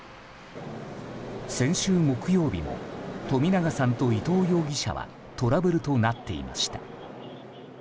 先週木曜日も冨永さんと伊藤容疑者はトラブルとなっていました。